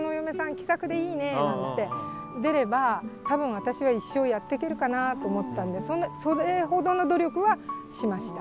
気さくでいいね」なんて出れば多分私は一生やっていけるかなと思ったんでそれほどの努力はしました。